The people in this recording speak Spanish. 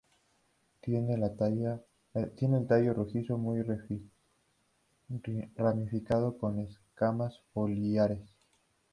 Tiene el tallo rojizo muy ramificado con escamas foliares.